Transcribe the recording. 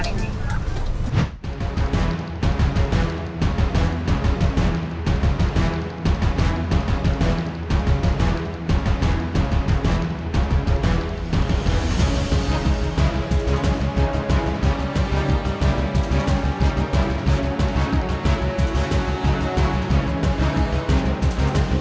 เราก็ต้องเซฟตัวเองด้วย